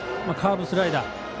カーブ、スライダー。